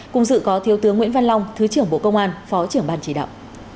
cùng dự có thiếu tướng nguyễn văn long thứ trưởng bộ công an phó trưởng ban chỉ đạo